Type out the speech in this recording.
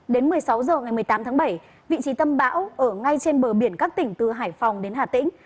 đến một mươi sáu h ngày một mươi tám tháng bảy vị trí tâm bão ở ngay trên bờ biển các tỉnh từ hải phòng đến hà tĩnh